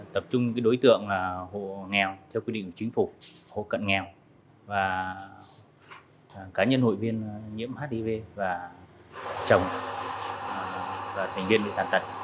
tập trung đối tượng là hộ nghèo theo quy định của chính phủ hộ cận nghèo và cá nhân hội viên nhiễm hiv và chồng và thành viên bị tàn tật